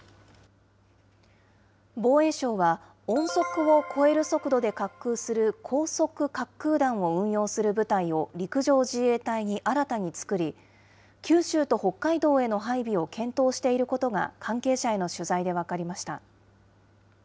防衛省は、音速を超える速度で滑空する高速滑空弾を運用する部隊を陸上自衛隊に新たに作り、九州と北海道への配備を検討していることが、関係者への取材で分かりました。